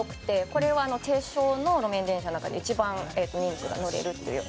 「これは低床の路面電車の中で一番人数が乗れるという低い」